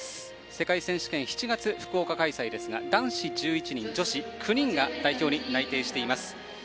世界選手権、７月福岡開催ですが男子１１人、女子９人が代表に内定しています。